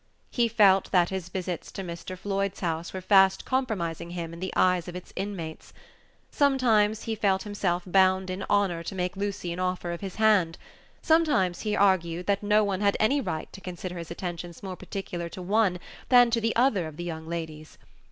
He felt that his visits to Mr. Floyd's house were fast compromising him in the eyes of its inmates. Sometimes he felt himself bound in honor to make Lucy an offer of his hand; sometimes he argued that no one had any right to consider his attentions more particular to one than to the other of the young ladies.